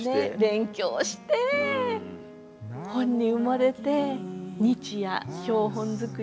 勉強して本に埋もれて日夜標本作りをして。